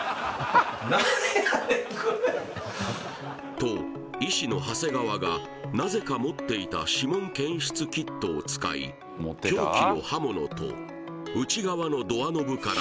と医師の長谷川がなぜか持っていた指紋検出キットを使い凶器の刃物と内側のドアノブから